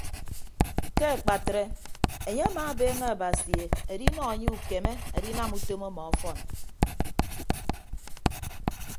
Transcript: Ke akpatre enye amaabeeñe abasi edinọ anye ukeme adinam utom ọmọ ọfọn.